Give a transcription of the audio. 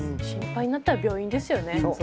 心配になったら病院ですよね。